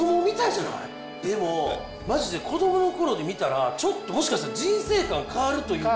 でもマジでこどもの頃に見たらちょっともしかしたら人生観変わるというか。